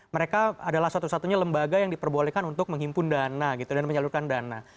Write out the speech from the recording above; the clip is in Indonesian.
mereka adalah satu satunya lembaga yang diperbolehkan untuk menghimpun dana gitu dan menyalurkan dana